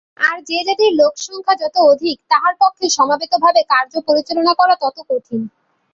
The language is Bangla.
আর যে-জাতির লোকসংখ্যা যত অধিক, তাহার পক্ষে সমবেতভাবে কার্য পরিচালনা করা তত কঠিন।